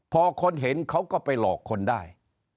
พอคนเห็นเขาก็ไปหลอกคนได้